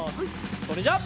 それじゃあ。